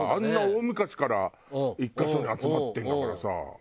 大昔から１カ所に集まってるんだからさ。